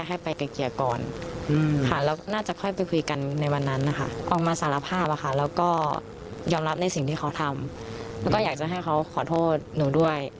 ที่เค้าทำแล้วก็อยากจะให้เค้าขอโทษหนูด้วย